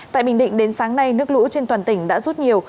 tại bình định đến sáng nay nước lũ trên toàn tỉnh đã rút nhiều